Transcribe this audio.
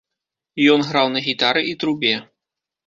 Ён граў на гітары і трубе.